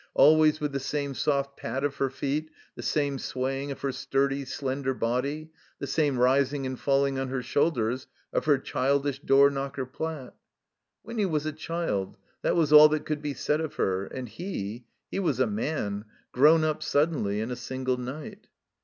Always with the same soft pad of her feet, the same swaying of her sturdy, slender body, the same rising and falling on her shoulders of her childish door knocker plat. Winny was a child; that was all that could be said of her; and he, he was a man, grown up sud denly in a single night.